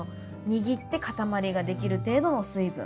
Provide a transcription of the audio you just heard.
握って塊ができる程度の水分。